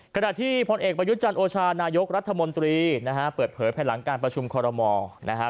ขณะที่พลเอกประยุจจันทร์โอชาณายกรัฐมนตรีเปิดเผยแผ่นหลังการประชุมคอลโลมอร์